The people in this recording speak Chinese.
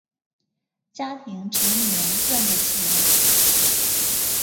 家庭成员赚的钱